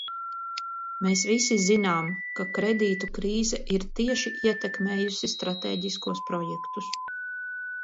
Mēs visi zinām, ka kredītu krīze ir tieši ietekmējusi stratēģiskos projektus.